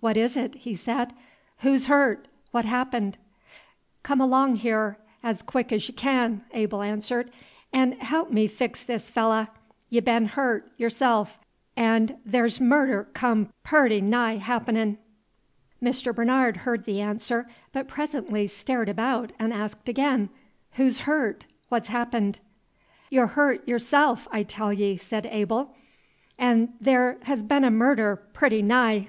"What is it?" he said. "Who'shurt? What's happened?" "Come along here 'z quick 'z y' ken," Abel answered, "'n' haalp me fix this fellah. Y' been hurt, y'rself, 'n' the' 's murder come pooty nigh happenin'." Mr. Bernard heard the answer, but presently stared about and asked again, "Who's hurt? What's happened?" "Y' 'r' hurt, y'rself, I tell ye," said Abel; "'n' the' 's been a murder, pooty nigh." Mr.